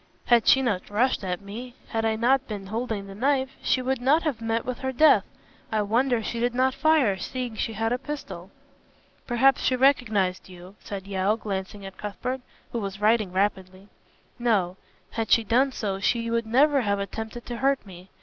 Had she not rushed at me, had I not been holding the knife, she would not have met with her death. I wonder she did not fire, seeing she had a pistol." "Perhaps she recognized you," said Yeo, glancing at Cuthbert, who was writing rapidly. "No. Had she done so, she would never have attempted to hurt me.